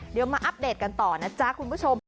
เดี๋ยวมาอัปเดตกันต่อนะจ๊ะคุณผู้ชม